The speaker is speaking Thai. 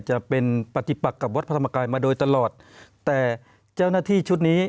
จะเป็นปฏิปักกับวัดพระธรรมกายมาโดยตลอดแต่เจ้าหน้าที่ชุดนี้